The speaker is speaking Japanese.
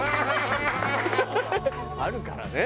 あるからね。